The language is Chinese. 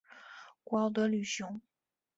古奥德吕雄。